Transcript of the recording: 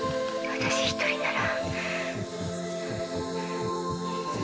私一人なら。